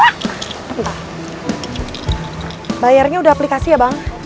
bayarnya udah aplikasi ya bang